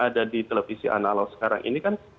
ada di televisi analog sekarang ini kan